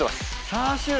チャーシュー。